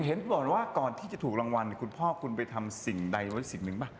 เห็นก่อนว่าก่อนที่จะถูกรางวัลคุณพ่อคุณไปทำสิ่งใดไว้สิ่งหนึ่งป่ะ